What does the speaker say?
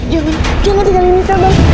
jangan jangan tinggalin nisa bang